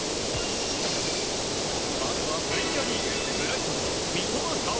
まずはプレミアリーグブライトンの三笘薫。